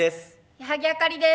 矢作あかりです。